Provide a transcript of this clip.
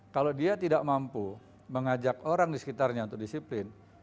kalau dia tidak mampu mengajak orang di sekitarnya untuk disiplin